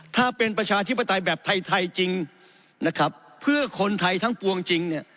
ถ้าเป็นประชาธิปไตยแบบไทยไทยจริงนะครับเพื่อคนไทยทั้งปวงจริงเนี่ย